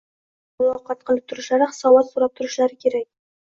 ular bilan muloqot qilib turishlari, hisobot so‘rab turishlari kerak.